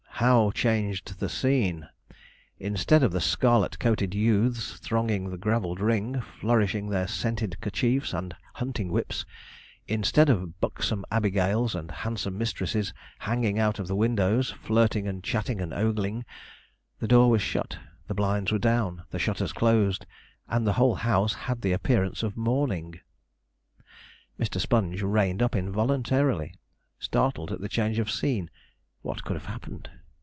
How changed the scene! Instead of the scarlet coated youths thronging the gravelled ring, flourishing their scented kerchiefs and hunting whips instead of buxom Abigails and handsome mistresses hanging out of the windows, flirting and chatting and ogling, the door was shut, the blinds were down, the shutters closed, and the whole house had the appearance of mourning. Mr. Sponge reined up involuntarily, startled at the change of scene. What could have happened!